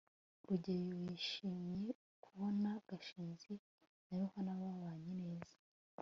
rugeyo yishimiye kubona gashinzi na yohana babanye neza